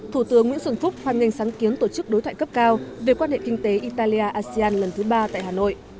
thủ tướng nguyễn xuân phúc hoan nghênh sáng kiến tổ chức đối thoại cấp cao về quan hệ kinh tế italia asean lần thứ ba tại hà nội